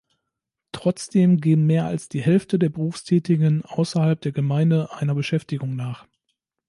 Trotzdem gehen mehr als die Hälfte der Berufstätigen außerhalb der Gemeinde einer Beschäftigung nach.